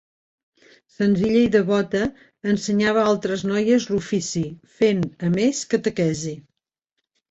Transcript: Senzilla i devota, ensenyava altres noies l'ofici, fent, a més, catequesi.